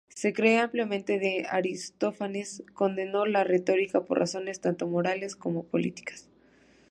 Se cree ampliamente que Aristófanes condenó la retórica por razones tanto morales como políticas.